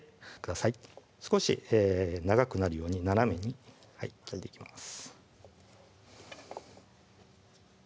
少し長くなるように斜めに切っていきます